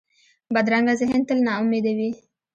بدرنګه ذهن تل ناامیده وي